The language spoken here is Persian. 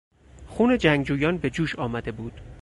خون جنگجویان به جوش آمده بود.